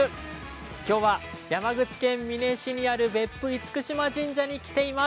今日は山口県美祢市にある別府厳島神社に来ています。